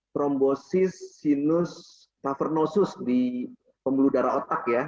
trombosis sinus tavernosus di pembuluh darah otak ya